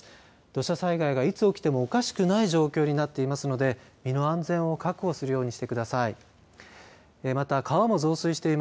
土砂災害がいつ起きてもおかしくない状況になっていますので身の安全を確保するようにしてください。